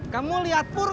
kamu lihat pur gak